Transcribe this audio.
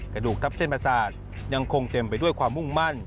กระดูกทับเส้นประสาทยังคงเต็มไปด้วยความมุ่งมั่น